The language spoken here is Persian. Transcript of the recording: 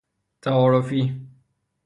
تعارفی